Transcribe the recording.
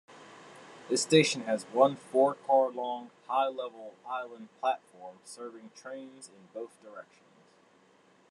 This station has one four-car-long high-level island platform serving trains in both directions.